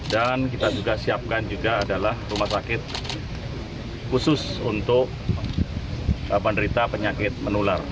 dan kita juga siapkan juga adalah rumah sakit khusus untuk penderita penyakit menular